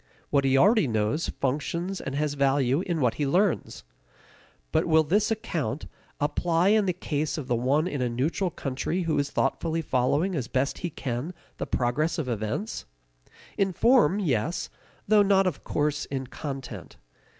What he already knows functions and has value in what he learns. But will this account apply in the case of the one in a neutral country who is thoughtfully following as best he can the progress of events? In form, yes, though not of course in content.